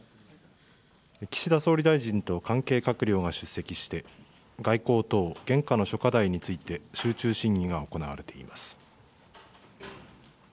岸田総理大臣と関係閣僚が出席して、外交等現下の諸課題について集中審議が行われています。